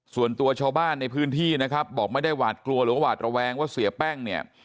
ส่วนตัวชาวบ้านในพื้นที่นะครับบอกไม่ได้หวาดกลัวหรือว่าหวาดระแวงว่าเสียแป้งเนี่ย